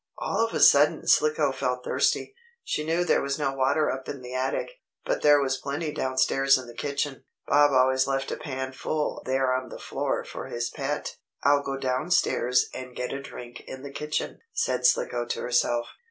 All of a sudden Slicko felt thirsty. She knew there was no water up in the attic, but there was plenty down stairs in the kitchen. Bob always left a pan full there on the floor for his pet. "I'll go down stairs and get a drink in the kitchen," said Slicko to herself.